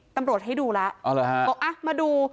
ตำรวจให้ดูล่ะอ๋อหรือฮะเบาะอ๋ะมาดู